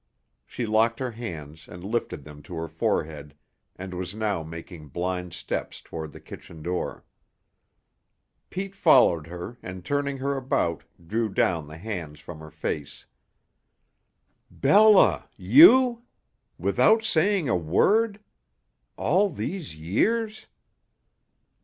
She locked her hands and lifted them to her forehead and was now making blind steps toward the kitchen door. Pete followed her, and turning her about, drew down the hands from her face. "Bella you? Without saying a word? All these years?"